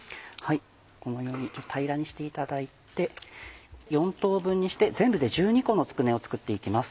このように平らにしていただいて４等分にして全部で１２個のつくねを作って行きます。